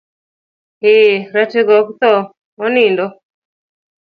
Eee, ratego ok thoo, onindo.